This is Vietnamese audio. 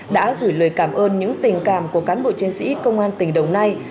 đã gửi lời cảm ơn những tình cảm của cán bộ chiến sĩ công an tỉnh đồng nai